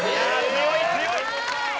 強い強い！